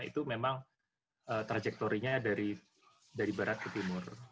itu memang trajektorinya dari barat ke timur